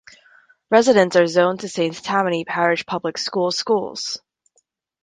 Residents are zoned to Saint Tammany Parish Public Schools schools.